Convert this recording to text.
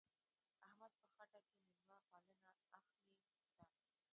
احمد په خټه کې مېلمه پالنه اخښلې ده.